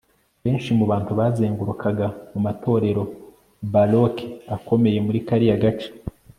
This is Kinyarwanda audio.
benshi mubantu bazengurukaga mumatorero baroque, akomeye muri kariya gace